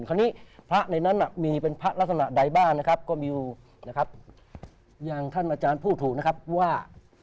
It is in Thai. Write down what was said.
คราวนี้พระในนั้นมีเป็นพระลักษณะใดบ้างนะครับก็มีนะครับอย่างท่านอาจารย์พูดถูกนะครับว่า